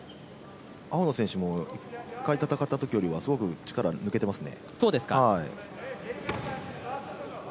青の選手も１回戦ったときよりかは力が抜けていますね。